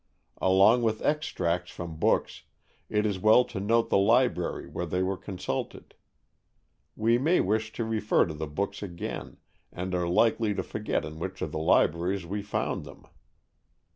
Along with extracts from books, it is well to note the library where they were consulted. We may wish to refer to the books again, and are likely to forget in which of the libraries we found them.